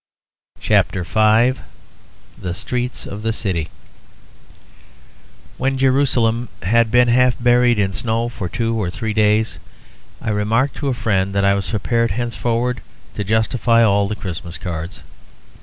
CHAPTER V THE STREETS OF THE CITY When Jerusalem had been half buried in snow for two or three days, I remarked to a friend that I was prepared henceforward to justify all the Christmas cards.